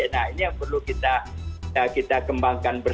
nah ini yang perlu kita kembangkan bersama